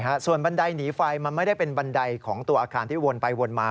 ฮะส่วนบันไดหนีไฟมันไม่ได้เป็นบันไดของตัวอาคารที่วนไปวนมา